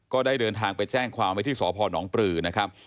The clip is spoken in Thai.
ก็ได้เดินทางไปแจ้งความไว้ที่สพนปลือนะครับ